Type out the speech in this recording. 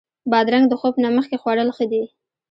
بادرنګ د خوب نه مخکې خوړل ښه دي.